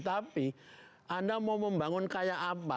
tapi anda mau membangun kayak apa